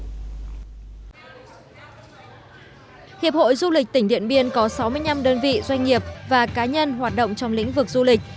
hiệp hội du lịch tỉnh điện biên có sáu mươi năm đơn vị doanh nghiệp và cá nhân hoạt động trong lĩnh vực du lịch